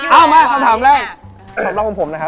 เอามาคำถามแรกสำหรับของผมนะครับ